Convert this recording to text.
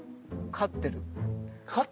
飼ってる。